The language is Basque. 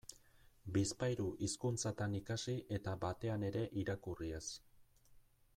Bizpahiru hizkuntzatan ikasi eta batean ere irakurri ez.